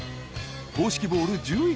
［公式ボール１１個。